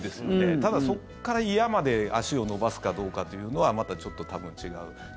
ただ、そこから祖谷まで足を延ばすかどうかというのはまたちょっと多分違う。